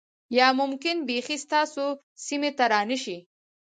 یا ممکن بیخی ستاسو سیمې ته را نشي